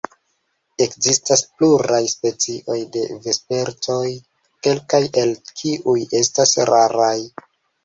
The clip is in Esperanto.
Ekzistas pluraj specioj de vespertoj, kelkaj el kiuj estas raraj.